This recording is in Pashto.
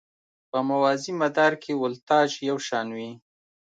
په موازي مدار کې ولتاژ یو شان وي.